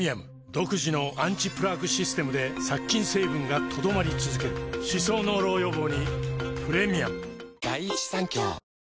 独自のアンチプラークシステムで殺菌成分が留まり続ける歯槽膿漏予防にプレミアム